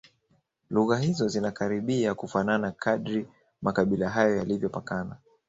Lugha hizo zinakaribia kufanana kadiri makabila hayo yalivyopakana